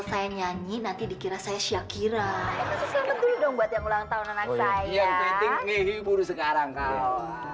saya nyanyi nanti dikira saya syakira selamat dulu dong buat yang ulang tahun anak saya sekarang